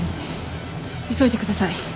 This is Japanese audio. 急いでください。